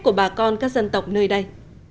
của bà con các dân tộc nơi đây